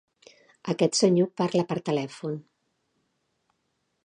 Aquest senyor parla per telèfon